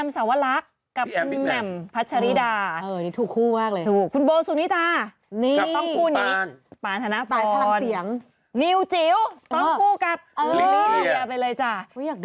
ปานพลังเสี่ยงนิวจิ๋วต้องกูกับริชาไปเลยจ้ะ